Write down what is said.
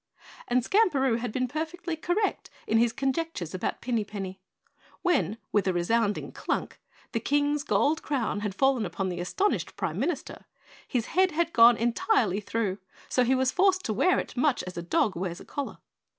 And Skamperoo had been perfectly correct in his conjectures about Pinny Penny. When, with a resounding clunk, the King's gold crown had fallen upon the astonished Prime Minister, his head had gone entirely through so he was forced to wear it much as a dog wears a collar.